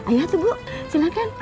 ayat tuh bu silahkan